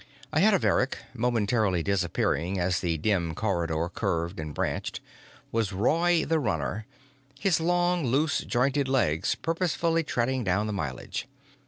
Ahead of Eric, momentarily disappearing as the dim corridor curved and branched, was Roy the Runner, his long, loose jointed legs purposefully treading down the mileage.